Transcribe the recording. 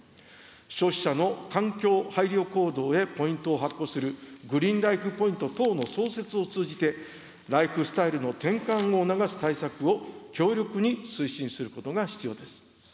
消費者の環境配慮行動へポイントを発行するグリーンライフポイント等の創設を通じて、ライフスタイルの転換を促す対策を強力に推進することが必要です。